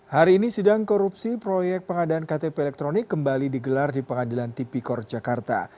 hari ini sidang korupsi proyek pengadaan ktp elektronik kembali digelar di pengadilan tipikor jakarta